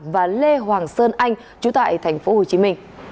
và lê hoàng sơn anh chú tại tp hcm